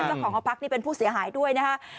เจ้าของหอพักนี่เป็นผู้เสียหายด้วยนะคะ